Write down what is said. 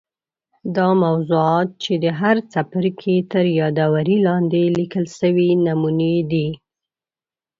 دا موضوعات چې د هر څپرکي تر یادوري لاندي لیکل سوي نمونې دي.